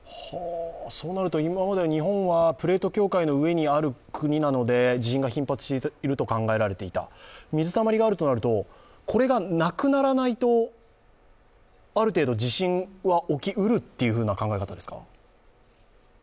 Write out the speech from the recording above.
そうなると今まで日本はプレート境界の上にある国なので地震が頻発していると考えられてきた、水たまりがあるとなると、これがなくならないとある程度地震は起きうるという考え方ですか？